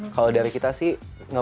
kalau dari kita sih